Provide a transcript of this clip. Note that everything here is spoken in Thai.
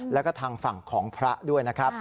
แล้วก็ทางฝั่งของพระด้วยนะครับ